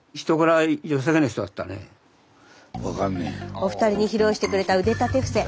お二人に披露してくれた腕立て伏せ。